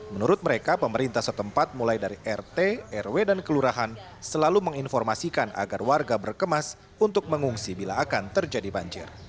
menurut mereka pemerintah setempat mulai dari rt rw dan kelurahan selalu menginformasikan agar warga berkemas untuk mengungsi bila akan terjadi banjir